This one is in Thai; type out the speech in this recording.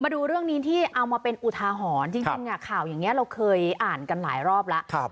ดูเรื่องนี้ที่เอามาเป็นอุทาหรณ์จริงเนี่ยข่าวอย่างนี้เราเคยอ่านกันหลายรอบแล้ว